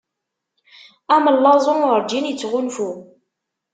Amellaẓu urǧin ittɣunfu.